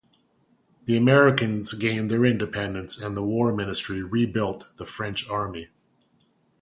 The Americans gained their independence, and the war ministry rebuilt the French army.